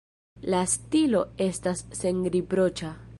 La stilo estas senriproĉa.